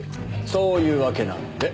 そういうわけなんで。